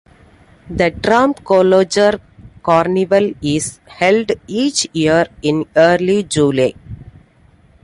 The Dromcollogher Carnival is held each year in early July.